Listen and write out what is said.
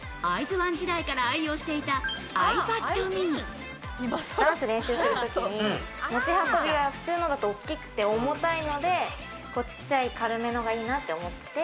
ＯＮＥ時代から愛用していた、ｉＰａｄｍｉｎダンス練習するときに持ち運びが普通のだと大きくて重たいので、ちっちゃい軽めのがいいなって思って。